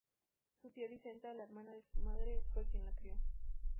Su tía Vicenta, la hermana de su madre, fue quien la crio.